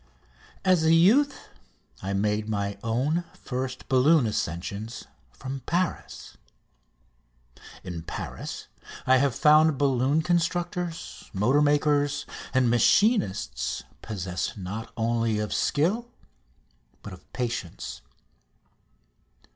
As a youth I made my own first balloon ascension from Paris. In Paris I have found balloon constructors, motor makers, and machinists possessed not only of skill but of patience.